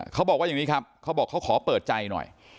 เขาบอกว่าอย่างนี้ครับเขาบอกเขาขอเปิดใจหน่อย